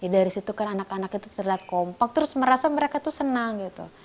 dari situ kan anak anak itu terlihat kompak terus merasa mereka tuh senang gitu